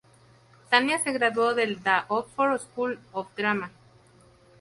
Tanya se graduó del "The Oxford School of Drama".